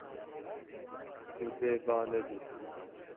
Tu dê ba nedî.